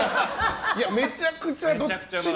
めちゃくちゃどっちも。